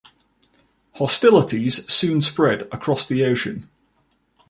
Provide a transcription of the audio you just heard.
Hostilities soon spread across the ocean.